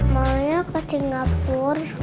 malah ke singapur